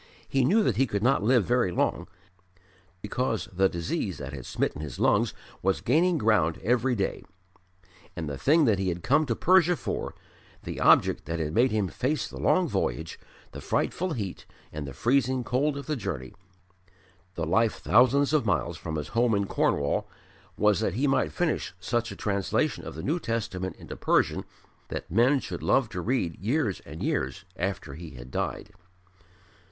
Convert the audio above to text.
He knew that he could not live very long, because the disease that had smitten his lungs was gaining ground every day. And the thing that he had come to Persia for the object that had made him face the long voyage, the frightful heat and the freezing cold of the journey, the life thousands of miles from his home in Cornwall was that he might finish such a translation of the New Testament into Persian that men should love to read years and years after he had died.